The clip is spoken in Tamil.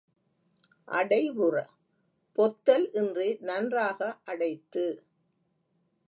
அடைவுற—பொத்தல் இன்றி நன்றாக அடைத்து.